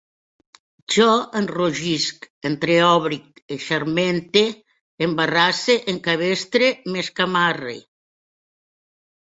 Jo enrogisc, entreòbric, eixarmente, embarasse, encabestre, m'escamarre